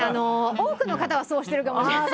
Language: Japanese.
多くの方はそうしてるかもしれない。